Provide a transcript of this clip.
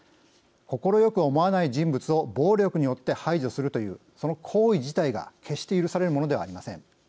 快く思わない人物を暴力によって排除するというその行為自体が決して許されるものではありません。